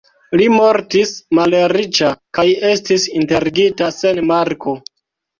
Li mortis malriĉa kaj estis enterigita sen marko.